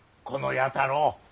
この弥太郎